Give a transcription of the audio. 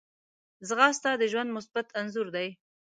ځغاسته د ژوند مثبت انځور دی